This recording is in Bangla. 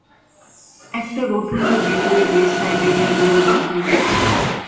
একটা রোটুন্ডা গেটওয়ে দিয়ে সাইবেরিয়ার যোগাযোগ হয়ে গিয়েছিল।